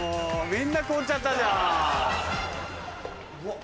みんな凍っちゃったじゃん。